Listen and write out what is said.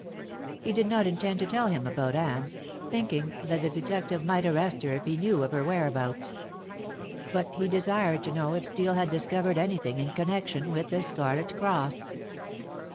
He did not intend to tell him about Anne, thinking that the detective might arrest her if he knew of her whereabouts. But he desired to know if Steel had discovered anything in connection with the Scarlet Cross.